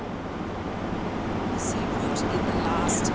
một số thành phố